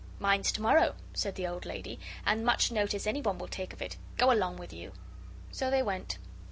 "Mine's to morrow," said the old lady, "and much notice anyone will take of it. Go along with you." So they went.